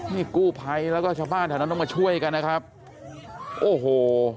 นี่กู้ภัยแล้วก็ชาวบ้านแถวนั้นต้องมาช่วยกันนะครับโอ้โห